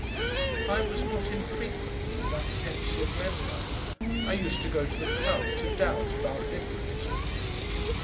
I was not infrequently that pensive member. I used to go to the Club to doubt about Liberalism.